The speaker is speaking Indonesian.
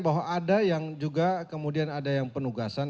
bahwa ada yang juga kemudian ada yang penugasan